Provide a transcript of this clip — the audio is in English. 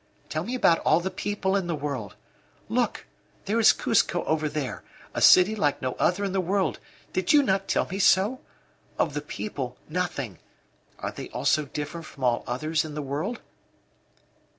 Tell me about all the people in the world. Look! there is Cuzco over there, a city like no other in the world did you not tell me so? Of the people nothing. Are they also different from all others in the world?"